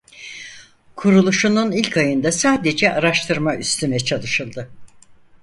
Kuruluşunun ilk ayında sadece araştırma üstüne çalışıldı.